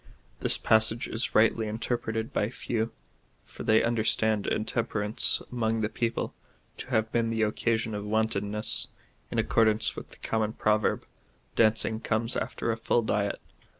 This passage is rightly interiJreted by few, for they understand intemperance among the people to have been the occasion of wantonness/ in accordance with the common proverb, " Dancing comes after a full diet."